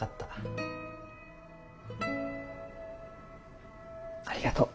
うんありがとう。